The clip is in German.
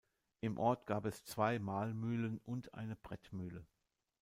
Im Ort gab es zwei Mahlmühlen und eine Brettmühle.